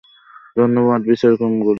ধন্যবাদ, বিচারকমণ্ডলী।